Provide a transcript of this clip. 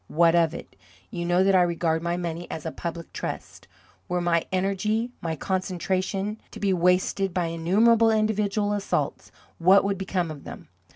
What of it? You know that I regard my money as a public trust. Were my energy, my concentration, to be wasted by innumerable individual assaults, what would become of them?